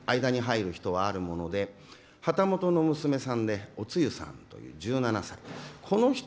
それでもやっぱり間に入る人はあるもので旗本の娘さんでお露さんという、１７歳。